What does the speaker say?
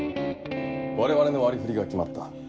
我々の割り振りが決まった。